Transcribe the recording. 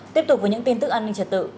tiếp tục với những tin tức an ninh trật tự